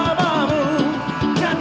dan kapal mencari